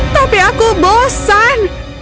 tapi aku bosan